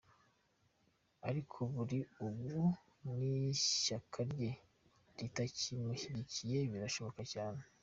Ariko kuri ubu n’ishyaka rye ritakimushyigikiye birashoboka cyane.